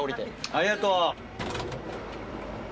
ありがとう。